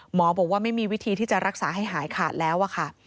หมอบอกว่าไม่มีวิธีที่จะรักษาให้หายขาดแล้วค่ะ